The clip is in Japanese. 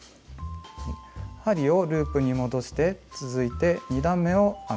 針をループに戻して続いて２段めを編みます。